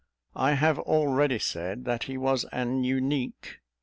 I have already said, that he was an unique.